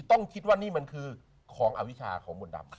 ต้องคิดว่านี่มันคือของอวิชาของมนต์ดำ